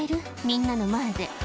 みんなの前で」